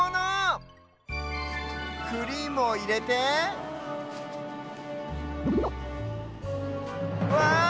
クリームをいれてわあ！